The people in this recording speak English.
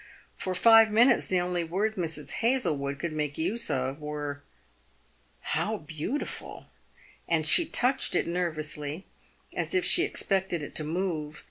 For five minutes the only words Mrs. Hazlewood could make use of were, " How beau tiful!" and she touched it nervously, as if she expected it to move.